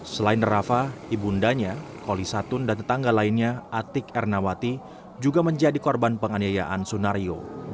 selain rafa ibundanya kolisatun dan tetangga lainnya atik ernawati juga menjadi korban penganyayaan sunario